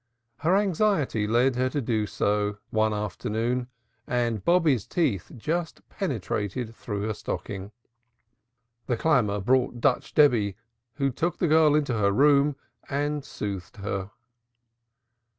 Her anxiety led her to do so one afternoon and Bobby's teeth just penetrated through her stocking. The clamor brought out Dutch Debby, who took the girl into her room and soothed her.